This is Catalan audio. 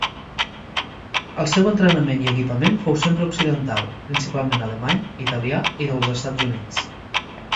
El seu entrenament i equipament fou sempre occidental, principalment alemany, italià i dels Estats Units.